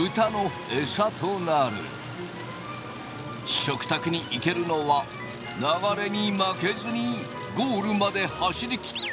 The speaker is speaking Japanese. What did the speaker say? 食卓に行けるのは流れに負けずにゴールまで走り切った豆だけだ。